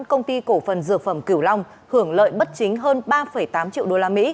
công ty cổ phần dược phẩm cửu long hưởng lợi bất chính hơn ba tám triệu usd